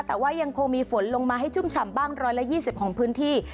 แต่ว่ายังคงมีฝนลงมาให้ชุ่มฉ่ำบ้าง๑๒๐ของพื้นที่